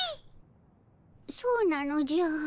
そうなのじゃ。